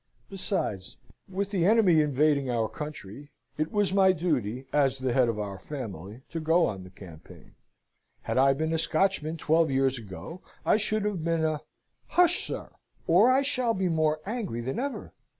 "Besides, with the enemy invading our country, it was my duty, as the head of our family, to go on the campaign. Had I been a Scotchman twelve years ago, I should have been a " "Hush, sir! or I shall be more angry than ever!"